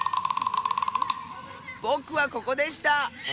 ぼくはここでした！